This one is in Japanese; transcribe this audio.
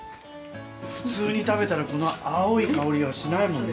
普通に食べたらこの青い香りがしないもんね。